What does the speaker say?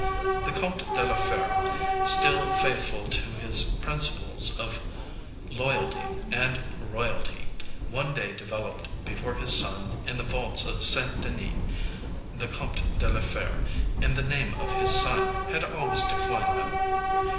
The Comte de la Fere, still faithful to his principles of loyalty, and royalty, one day developed before his son in the vaults of Saint Denis,—the Comte de la Fere, in the name of his son, had always declined them.